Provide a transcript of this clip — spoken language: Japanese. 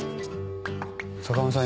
坂間さん